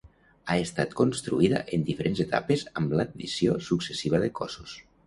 Ha estat construïda en diferents etapes amb l'addició successiva de cossos.